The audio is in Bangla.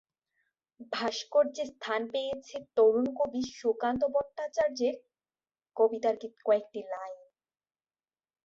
ভাস্কর্যে স্থান পেয়েছে তরুণ কবি সুকান্ত ভট্টাচার্যের কবিতার কয়েকটি লাইন।